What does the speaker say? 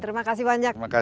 terima kasih banyak mbak eko